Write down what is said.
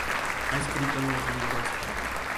Ha escrito dos libros.